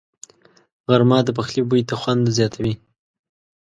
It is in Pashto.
غرمه د پخلي بوی ته خوند زیاتوي